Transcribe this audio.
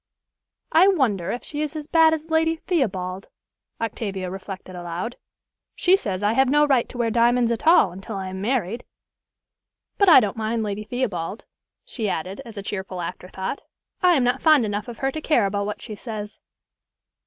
"I wonder if she is as bad as Lady Theobald," Octavia reflected aloud. "She says I have no right to wear diamonds at all until I am married. But I don't mind Lady Theobald," she added, as a cheerful afterthought. "I am not fond enough of her to care about what she says."